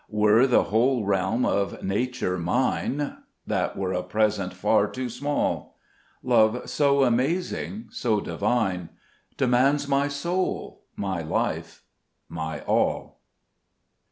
4 Were the whole realm of nature mine, That were a present far too small ; Love so amazing, so Divine, Demands my soul, my life, my all.